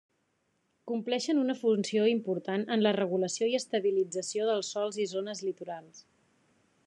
Compleixen una funció important en la regulació i estabilització dels sòls i zones litorals.